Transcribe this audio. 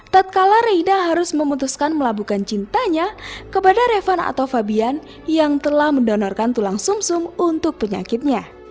tatkala reina harus memutuskan melabukkan cintanya kepada revan atau fabian yang telah mendonorkan tulang sum sum untuk penyakitnya